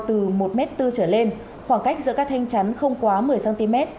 từ một m bốn trở lên khoảng cách giữa các thanh chắn không quá một mươi cm